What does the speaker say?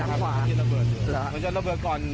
ขวาด้านขวาอีกเดี๋ยวเรียนระเบิดอยู่ครับเราจะระเบิดก่อน